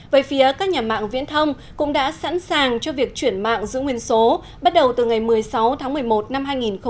về phía các nhà mạng viễn thông cũng đã sẵn sàng cho việc chuyển mạng giữ nguyên số bắt đầu từ ngày một mươi sáu tháng một mươi một năm hai nghìn một mươi chín